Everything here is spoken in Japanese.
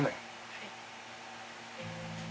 はい。